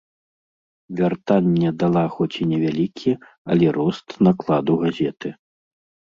Вяртанне дала хоць і невялікі, але рост накладу газеты.